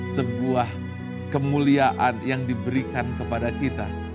sebuah kemuliaan yang diberikan kepada kita